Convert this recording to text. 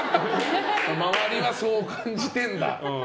周りはそう感じてるんだ。